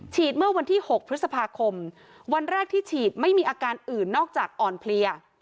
เมื่อวันที่๖พฤษภาคมวันแรกที่ฉีดไม่มีอาการอื่นนอกจากอ่อนเพลีย